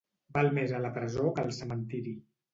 Val més a la presó que al cementiri.